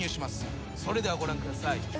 それではご覧ください。